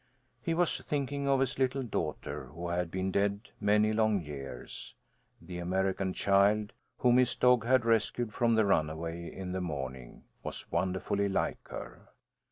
He was thinking of his little daughter, who had been dead many long years. The American child, whom his dog had rescued from the runaway in the morning, was wonderfully like her.